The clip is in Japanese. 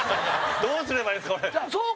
どうすればいいんですか？